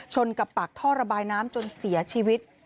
กับปากท่อระบายน้ำจนเสียชีวิต